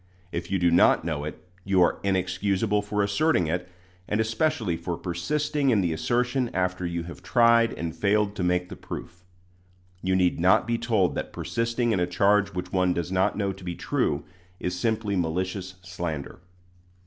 If you do not know it, you are inexcusable for asserting it, and especially for persisting in the assertion after you have tried and failed to make the proof. You need not be told that persisting in a charge which one does not know to be true, is simply malicious slander.